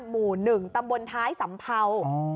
หมู่หนึ่งตำบลท้ายสำเภา